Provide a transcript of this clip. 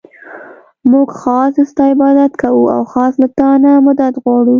مونږ خاص ستا عبادت كوو او خاص له تا نه مدد غواړو.